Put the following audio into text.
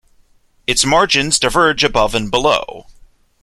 Its margins diverge above and below.